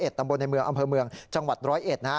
ตำบลในเมืองอำเภอเมืองจังหวัด๑๐๑นะฮะ